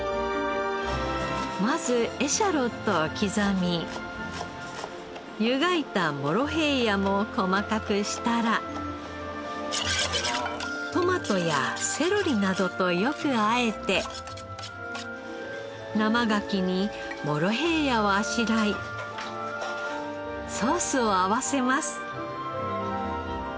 まずエシャロットを刻み湯がいたモロヘイヤも細かくしたらトマトやセロリなどとよくあえて生ガキにモロヘイヤをあしらいソースを合わせます。